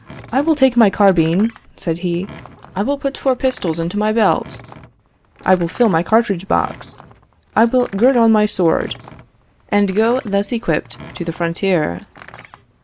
"I will take my carbine," said he; "I will put four pistols into my belt; I will fill my cartridge box; I will gird on my sword, and go thus equipped to the frontier.